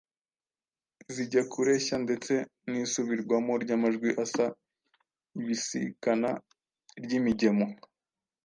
zijya kureshya ndetse n’isubirwamo ry’amajwi asa, ibisikana ry’imigemo